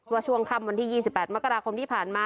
ช่วงค่ำวันที่๒๘มกราคมที่ผ่านมา